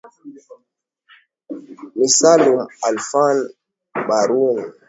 ni salum alfan baruan